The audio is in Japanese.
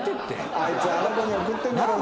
あいつあの子に送ってるんだろうな。